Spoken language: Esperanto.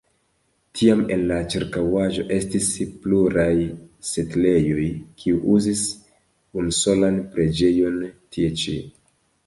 Tiam en la ĉirkaŭaĵo estis pluraj setlejoj, kiuj uzis unusolan preĝejon tie ĉi.